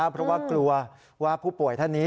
เพราะว่ากลัวว่าผู้ป่วยท่านนี้